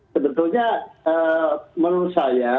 sebetulnya menurut saya